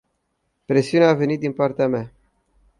Presiunea a venit din partea mea.